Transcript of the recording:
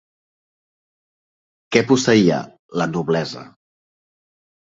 Què posseïa la noblesa?